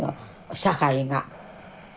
社会が。